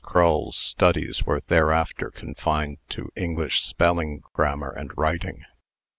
Crull's studies were thereafter confined to English spelling, grammar, and writing.